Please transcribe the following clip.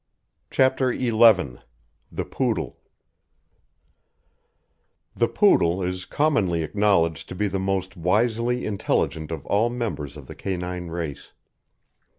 CHAPTER XI THE POODLE The Poodle is commonly acknowledged to be the most wisely intelligent of all members of the canine race.